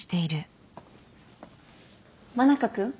真中君？